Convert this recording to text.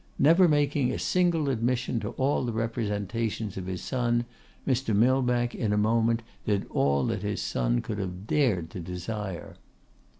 Never making a single admission to all the representations of his son, Mr. Millbank in a moment did all that his son could have dared to desire.